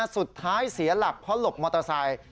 สุดท้ายเสียหลักเพราะหลบมอเตอร์ไซค์